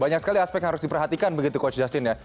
banyak sekali aspek yang harus diperhatikan begitu coach justin ya